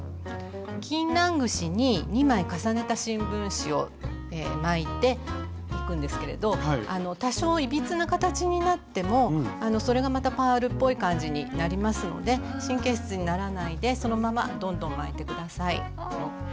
ぎんなん串に２枚重ねた新聞紙を巻いていくんですけれどあの多少いびつな形になってもそれがまたパールっぽい感じになりますので神経質にならないでそのままどんどん巻いて下さい。